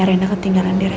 terima kasih yandin